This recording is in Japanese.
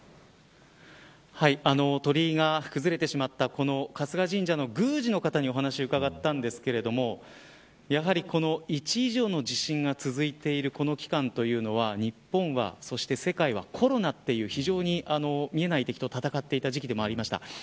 鳥居が崩れてしまったこのかすが神社の宮司の方にお話を伺ったんですがやはりこの１以上の地震が続いているこの期間というのは日本は世界はコロナという非常に見えない敵と闘っていた時期でもありました。